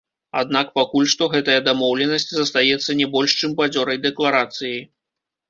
Аднак пакуль што гэтая дамоўленасць застаецца не больш чым бадзёрай дэкларацыяй.